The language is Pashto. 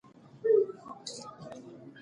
ایا تاسي په خپل موبایل کې دا اپلیکیشن لرئ؟